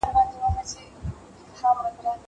زه نان خوړلی دی!